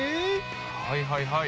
はいはいはい。